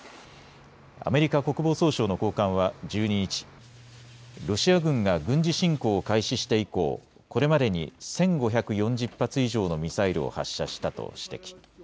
アメリカ国防総省の高官は１２日、ロシア軍が軍事侵攻を開始して以降、これまでに１５４０発以上のミサイルを発射したと指摘。